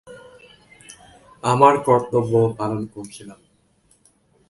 আমার কর্তব্য পালন করছিলাম।